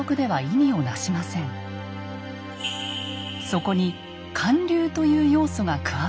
そこに還流という要素が加わり